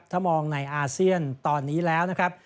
ถ้ามองในอาเซียนตอนนี้แล้วนะครับ